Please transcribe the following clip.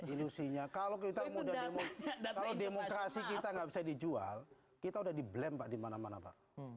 ilusinya kalau kita muda demokrasi kita gak bisa dijual kita udah di blame pak di mana mana pak